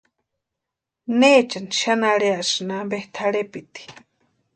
¿Neechani xani arhiasïni ampe tʼarhepiti?